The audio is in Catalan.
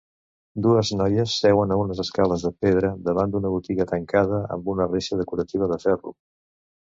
Dues noies seuen a unes escales de pedra davant d'una botiga tancada amb una reixa decorativa de ferro.